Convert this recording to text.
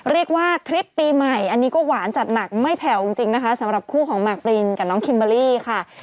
เรียกว่าคลิปปีใหม่อันนี้ก็หวานจากหนักไม่แผลวท์จริงนะคะสำหรับคู่ของมาดรินกับน้องคิมเบอรี่ค่ะ